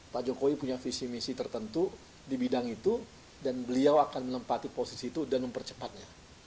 pak jokowi punya visi misi tertentu di bidang itu dan beliau akan menempati posisi itu dan mempercepatnya